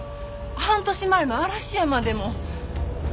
半年前の嵐山でも。